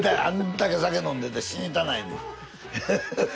あんだけ酒飲んでて死にたないねん。